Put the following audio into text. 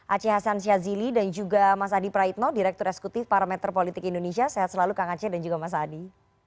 aceh hasan syazili dan juga mas adi praitno direktur eksekutif parameter politik indonesia sehat selalu kang aceh dan juga mas adi